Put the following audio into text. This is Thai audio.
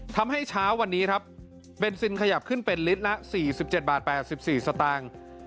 เช้าวันนี้ครับเบนซินขยับขึ้นเป็นลิตรละ๔๗บาท๘๔สตางค์